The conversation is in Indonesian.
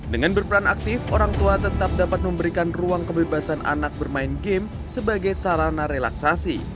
dengan berperan aktif orang tua tetap dapat memberikan ruang kebebasan anak bermain game sebagai sarana relaksasi